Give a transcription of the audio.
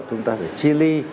chúng ta phải chi ly